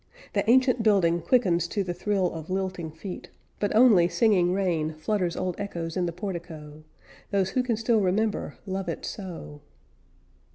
The ancient building quickens to the thrill Of lilting feet; but only singing rain Flutters old echoes in the portico; Those who can still remember love it so.